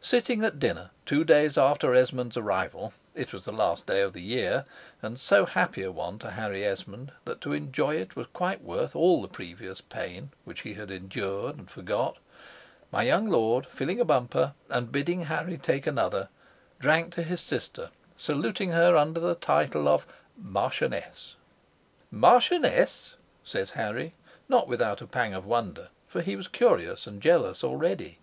Sitting at dinner two days after Esmond's arrival (it was the last day of the year), and so happy a one to Harry Esmond, that to enjoy it was quite worth all the previous pain which he had endured and forgot, my young lord, filling a bumper, and bidding Harry take another, drank to his sister, saluting her under the title of "Marchioness." "Marchioness!" says Harry, not without a pang of wonder, for he was curious and jealous already.